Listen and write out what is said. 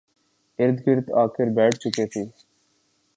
ارد گرد آ کر بیٹھ چکے تھی